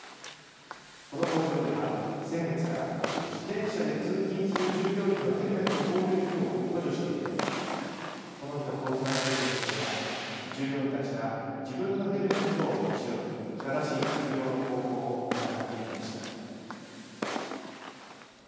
この工場では先月から自転車で通勤する従業員のヘルメット購入費を補助していてこの日の交通安全教室では従業員たちが自分のヘルメットを持ち寄り正しい着用の方法を学んでいました。